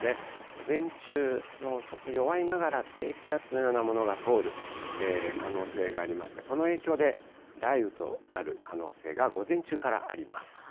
午前中、ちょっと弱いながら低気圧のようなものが通る可能性がありまして、この影響で雷雨となる可能性が、午前中からあります。